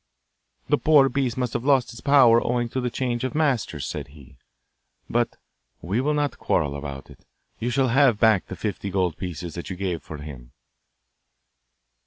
'The poor beast must have lost its power owing to the change of masters,' said he; 'but we will not quarrel about it. You shall have back the fifty gold pieces that you gave for him.